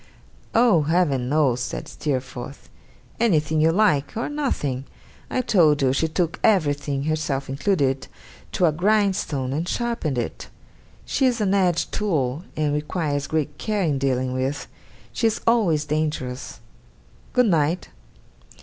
'Oh, Heaven knows,' said Steerforth. 'Anything you like or nothing! I told you she took everything, herself included, to a grindstone, and sharpened it. She is an edge tool, and requires great care in dealing with. She is always dangerous. Good night!